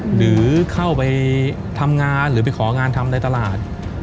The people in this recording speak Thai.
หรือเข้าไปทำงานหรือไปของานทำในตลาด